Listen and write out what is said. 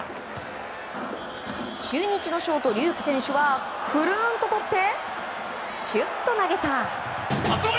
中日のショート、龍空選手はくるんととってシュッと投げた。